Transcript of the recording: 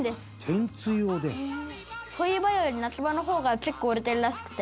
「“天つゆおでん”」「冬場より夏場の方が結構売れてるらしくて」